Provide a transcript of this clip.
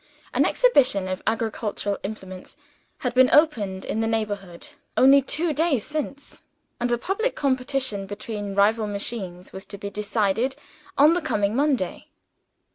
An exhibition of agricultural implements had been opened in the neighborhood, only two days since; and a public competition between rival machines was to be decided on the coming Monday.